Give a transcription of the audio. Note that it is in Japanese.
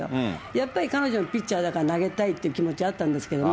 やっぱり彼女はピッチャーだから投げたいっていう気持ちあったんですけども。